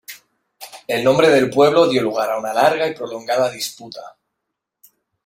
El nombre del pueblo dio lugar a una larga y prolongada disputa.